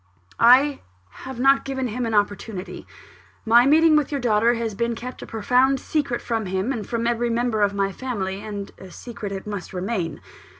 "I have not given him an opportunity. My meeting with your daughter has been kept a profound secret from him, and from every member of my family; and a secret it must remain.